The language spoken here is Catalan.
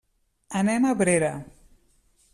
Anem a Abrera.